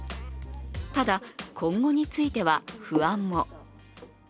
ただ、今後については不安も。